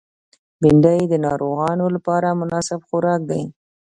بېنډۍ د ناروغانو لپاره مناسب خوراک دی